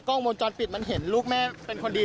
วงจรปิดมันเห็นลูกแม่เป็นคนดี